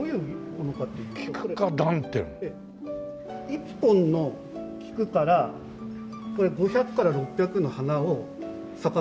１本の菊からこれ５００から６００の花を咲かせるんです。